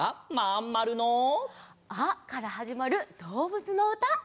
「ア」からはじまるどうぶつのうた！